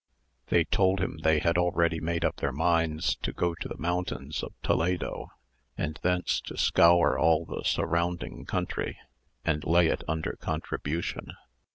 They told him they had already made up their minds to go to the mountains of Toledo, and thence to scour all the surrounding country, and lay it under contribution.